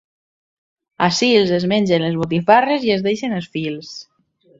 A Sils, es mengen les botifarres i deixen els fils.